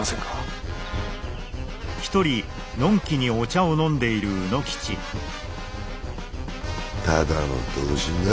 フフただの同心だ。